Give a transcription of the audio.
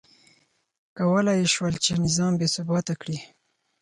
کولای یې شول چې نظام بې ثباته کړي.